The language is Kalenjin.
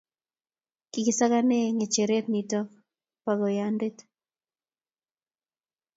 kikisakane ng'echeret nito bakoyande